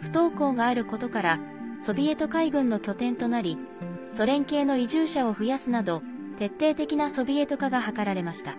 不凍港があることからソビエト海軍の拠点となりソ連系の移住者を増やすなど徹底的なソビエト化が図られました。